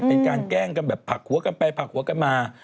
แกล้งกันแบบผักหัวกันไปผักหัวกันมา